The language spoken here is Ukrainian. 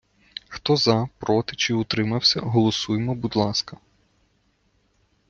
Хто за, проти чи утримався, голосуємо, будь ласка!